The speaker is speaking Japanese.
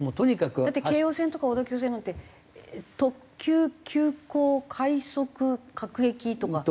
だって京王線とか小田急線なんて特急急行快速各駅とか。